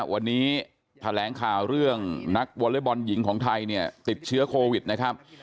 วันนี้แถลงข่าวเรื่องนักวอเล็กบอลหญิงของไทยเนี่ยติดเชื้อโควิดนะครับ